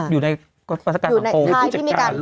อยู่ในกฎปรัศกาลของโครตผู้จัดการ